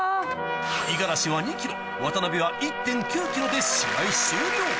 五十嵐は２ｋｇ渡は１．９ｋｇで試合終了